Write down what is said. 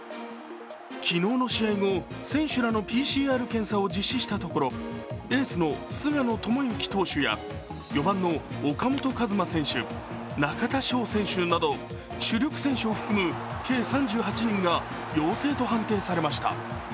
昨日の試合後、選手らのＰＣＲ検査を実施したところ、エースの菅野智之投手や４番の岡本和真選手、中田翔選手など主力選手を含む計３８人が陽性と判定されました。